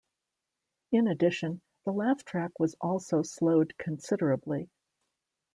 In addition, the laugh track was also slowed considerably.